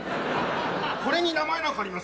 これに名前なんかあります？